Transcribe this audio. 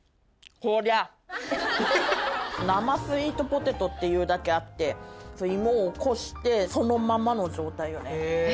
生スイートポテトって言うだけあって芋をこしてそのままの状態よね。